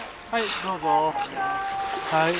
はいどうぞ！